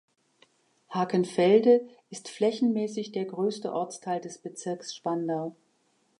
Hakenfelde ist flächenmäßig der größte Ortsteil des Bezirks Spandau.